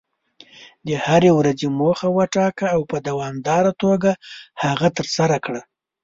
د هرې ورځې موخه وټاکه، او په دوامداره توګه هغه ترسره کړه.